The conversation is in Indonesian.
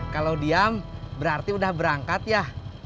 kalau diam berarti udah berangkat ya